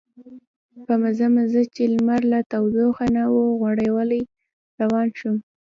په مزه مزه چې لمر لا تودوخه نه وه غوړولې روان شوم.